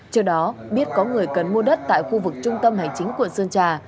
trước đó biết có người cần mua đất tại khu vực trung tâm hành chính quận sơn trà